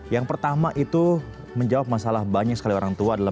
yang pertama itu menjawab masalah banyak sekali orang tua adalah